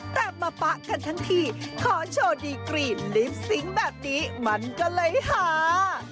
แต่มาปะกันทั้งทีขอโชว์ดีกรีมลิปซิงค์แบบนี้มันก็เลยหา